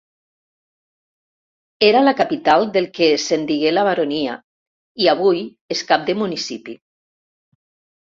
Era la capital del que se'n digué la Baronia, i avui és cap de municipi.